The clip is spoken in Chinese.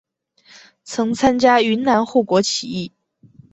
曾参加云南护国起义。